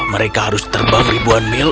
mereka harus terbang ribuan mil